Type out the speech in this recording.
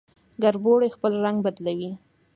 کربوړی خپل رنګ بدلوي